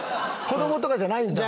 子供とかじゃないんだ。